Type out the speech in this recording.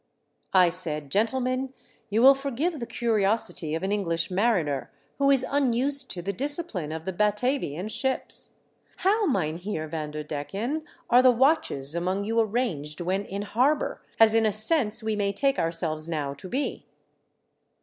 I said ;" Gentle men, you will forgive the curiosity of an English mariner who is unused to the discip line of the Batavian ships. How. Mynheer Vanderdecken, are the watches among you arranged when in harbour, as in a sense we may take ourselves now to be